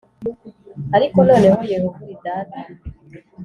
ariko noneho Yehova uri Data